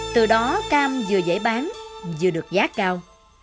từ đó cam vừa dễ bán vừa được giá cao